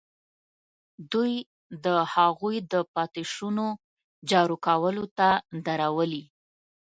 دوی د هغوی د پاتې شونو جارو کولو ته درولي.